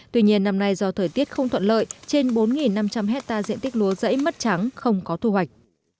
tuy nhiên năm nay do thời tiết không thuận lợi trên bốn năm trăm linh hectare diện tích lúa giẫy mất trắng không có thu hoạch